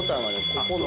ここの。